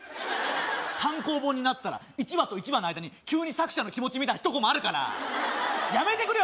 単行本になったら一話と一話の間に急に作者の気持ちみたいな一コマあるからやめてくれよ